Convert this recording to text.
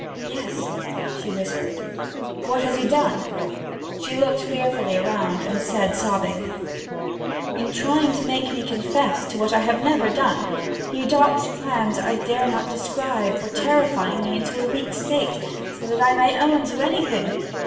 'Yes,' she whispered. 'What has he done?' She looked fearfully around, and said, sobbing: 'In trying to make me confess to what I have never done, he adopts plans I dare not describe for terrifying me into a weak state, so that I may own to anything!